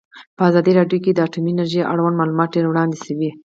په ازادي راډیو کې د اټومي انرژي اړوند معلومات ډېر وړاندې شوي.